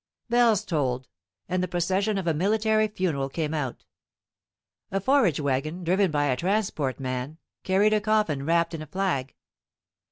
Bells tolled, and the procession of a military funeral came out. A forage wagon, driven by a transport man, carried a coffin wrapped in a flag.